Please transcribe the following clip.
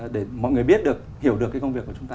để mọi người biết được hiểu được cái công việc của chúng ta